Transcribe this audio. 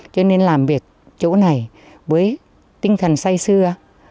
cho nên làm việc chỗ này với tinh thần say xưa